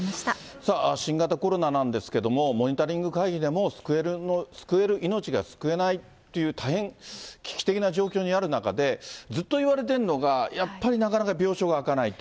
さあ、新型コロナなんですけれども、モニタリング会議でも、救える命が救えないという大変危機的な状況にある中で、ずっといわれてるのが、やっぱり、なかなか病床が空かないと。